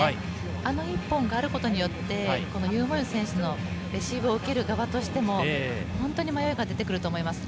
あの１本があることによってユー・モンユー選手のレシーブを受ける側としても本当に迷いが出てくると思います。